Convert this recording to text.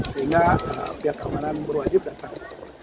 sehingga pihak keamanan berwajib datang